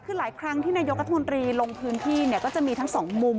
คือหลายครั้งที่นายกรัฐมนตรีลงพื้นที่เนี่ยก็จะมีทั้งสองมุม